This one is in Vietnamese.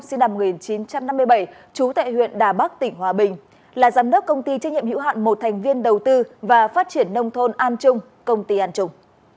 sinh năm một nghìn chín trăm năm mươi bảy trú tại huyện đà bắc tỉnh hòa bình là giám đốc công ty trách nhiệm hữu hạn một thành viên đầu tư và phát triển nông thôn an trung công ty an trung